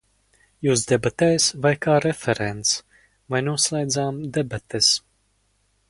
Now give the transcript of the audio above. Jūs debatēs vai kā referents, vai noslēdzam debates?